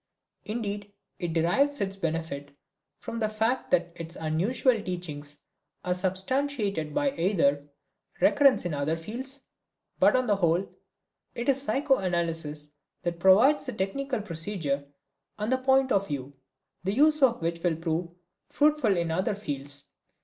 Indeed it derives benefit from the fact that its unusual teachings are substantiated by their recurrence in other fields, but on the whole it is psychoanalysis that provides the technical procedure and the point of view, the use of which will prove fruitful in those other fields.